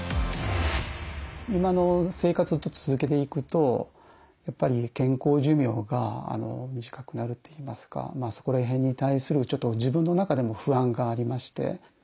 今の生活を続けていくとやっぱり健康寿命が短くなるといいますかそこら辺に対するちょっと自分の中でも不安がありまして。